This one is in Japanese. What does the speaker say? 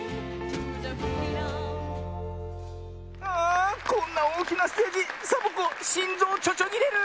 あこんなおおきなステージサボ子しんぞうちょちょぎれる！